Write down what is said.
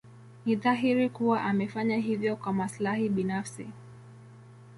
Ni dhahiri kuwa amefanya hivyo kwa maslahi binafsi.